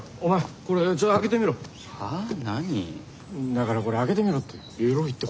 だからこれ開けてみろって。